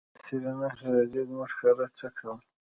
آ سېرېنا خارجۍ زموږ کره څه کول.